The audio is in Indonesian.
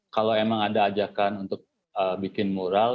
kalau emang ada ajakan untuk bikin mural